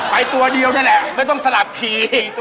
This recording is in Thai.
ไปตัวเดียวแหละแล้วต้องสลับกี